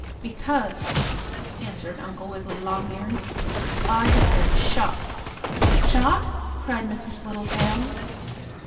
"Because," answered Uncle Wiggily Longears, "I have been shot." "Shot?" cried Mrs. Littletail.